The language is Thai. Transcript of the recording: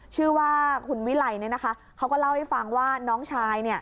ชื่อว่าคุณวิไลเขาก็เล่าให้ฟังว่าน้องชาย